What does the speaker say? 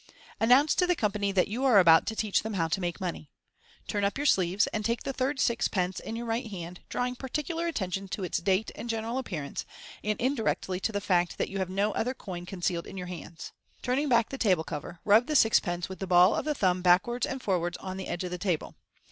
Announce to the company that you are about to teach them how to make money. Turn up your sleeves, and take the third sixpence in your right hand, drawing particular attention to its date and general appearance, and indirectly to the fact that you have no other coin concealed in your hands. Turning back the table cover, rub the sixpence with the ball of the thumb backwards and forwards on the edge of the table.